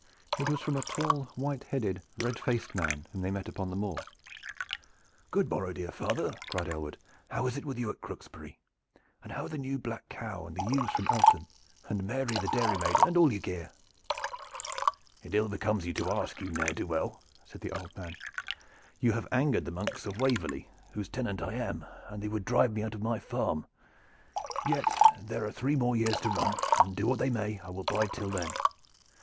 It was from a tall, white headed, red faced man whom they met upon the moor. "Good morrow, dear father!" cried Aylward. "How is it with you at Crooksbury? And how are the new black cow and the ewes from Alton and Mary the dairymaid and all your gear?" "It ill becomes you to ask, you ne'er do weel," said the old man. "You have angered the monks of Waverley, whose tenant I am, and they would drive me out of my farm. Yet there are three more years to run, and do what they may I will bide till then.